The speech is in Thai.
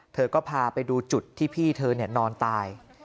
เธอก็พาไปดูจุดที่พี่เธอนอนตาย